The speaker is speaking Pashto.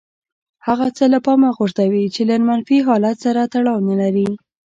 هغه څه له پامه غورځوي چې له منفي حالت سره تړاو نه لري.